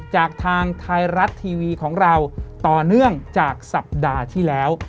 จากทางไทยรัฐทีวีของเราต่อเนื่องจากสัปดาห์ที่แล้ว